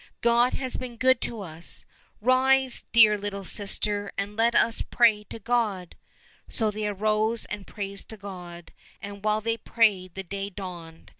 " God has been good to us ! Rise, dear little sister, and let us pray to God !" So they arose and prayed to God, and while they prayed the day dawned.